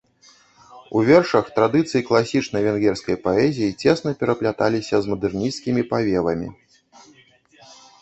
У вершах традыцыі класічнай венгерскай паэзіі цесна перапляталіся з мадэрнісцкімі павевамі.